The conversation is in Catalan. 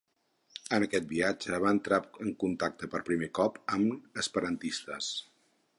En aquest viatge va entrar en contacte per primer cop amb esperantistes.